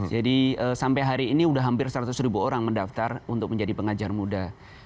jadi sampai hari ini sudah hampir seratus orang mendaftar untuk menjadi pengajar muda